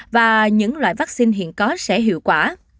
và những loại vaccine hiện có sẽ hiệu quả